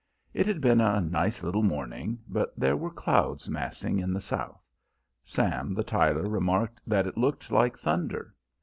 It had been a nice little morning, but there were clouds massing in the south; Sam the tiler remarked that it looked like thunder.